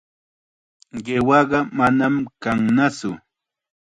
Qiwaqa manam kannatsu.